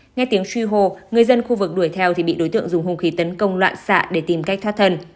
nghe tiếng truy hô người dân khu vực đuổi theo thì bị đối tượng dùng hung khí tấn công loạn xạ để tìm cách thoát thân